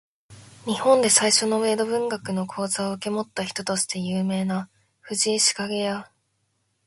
日本で最初の江戸文学の講座を受け持った人として有名な藤井紫影や、